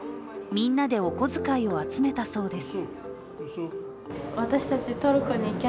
みんなでお小遣いを集めたそうです。